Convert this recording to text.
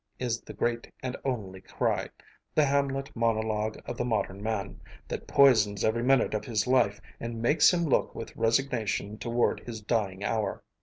is the great and only cry, the Hamlet monologue of the modern man, that poisons every minute of his life and makes him look with resignation toward his dying hour.